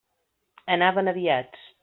Anaven aviats!